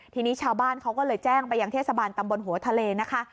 ทีนี้ชาวบ้านเขาก็เลยแจ้งไปยังเทศบาลตำบลหัวทะเลนะคะ